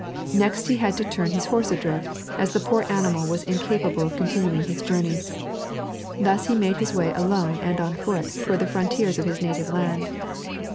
Next he had to turn his horse adrift, as the poor animal was incapable of continuing his journey. Thus he made his way alone and on foot toward the frontiers of his native land.